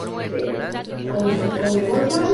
Dijo que estaría alegre si volvía a la fe católica.